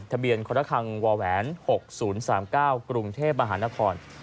ทะเบียนคนธครังวาแหวน๖๐๓๙กรุงเทพฯมหานคร